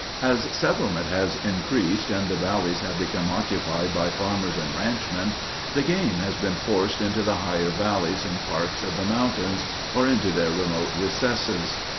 As settlement has increased and the valleys have become occupied by farmers and ranchmen, the game has been forced into the higher valleys and parks of the mountains, or into their remote recesses.